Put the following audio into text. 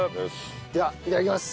ではいただきます。